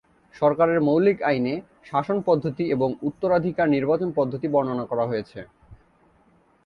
সরকারের মৌলিক আইনে শাসন পদ্ধতি এবং উত্তরাধিকার নির্বাচন পদ্ধতি বর্ণনা করা হয়েছে।